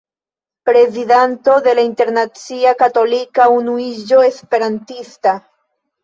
Prezidanto de Internacia Katolika Unuiĝo Esperantista.